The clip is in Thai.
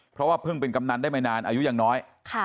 เพราะว่าเพิ่งเป็นกำนันได้ไม่นานอายุยังน้อย